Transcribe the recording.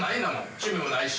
趣味もないし・